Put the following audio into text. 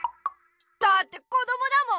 だってこどもだもん！